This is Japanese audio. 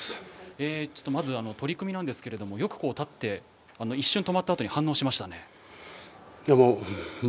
取組なんですがよく立って一瞬、止まったあと反応しましたね。